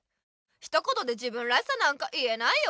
ひと言で自分らしさなんか言えないよ。